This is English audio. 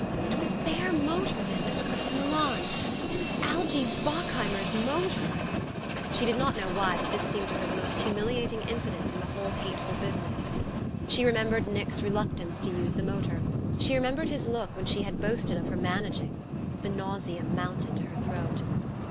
"It was their motor, then, that took us to Milan! It was Algie Bockheimer's motor!" She did not know why, but this seemed to her the most humiliating incident in the whole hateful business. She remembered Nick's reluctance to use the motor she remembered his look when she had boasted of her "managing." The nausea mounted to her throat.